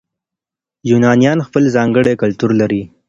یونانیان خپل ځانګړی کلتور لري.